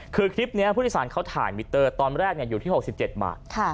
คือคลิปนี้ผู้โดยสารเขาถ่ายมิเตอร์ตอนแรกอยู่ที่๖๗บาท